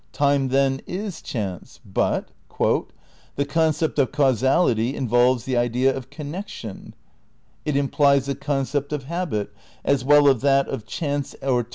Time, then, is chance. But "The concept of causality involves the idea of connection." It "implies the concept of habit as well as that of chance or time ' Time and Seality, pp.